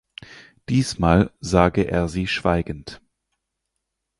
Diesmal sage er sie schweigend.